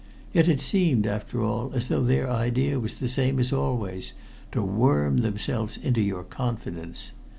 Yet it seemed, after all, as though their idea was the same as always, to worm themselves into your confidence.